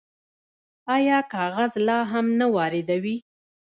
آیا کاغذ لا هم نه واردوي؟